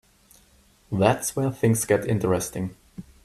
That's where things get interesting.